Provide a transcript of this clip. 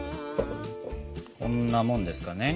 こんなもんですかね。